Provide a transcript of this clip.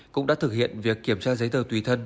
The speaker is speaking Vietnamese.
cũng đã thực hiện việc kiểm tra giấy tờ tùy thân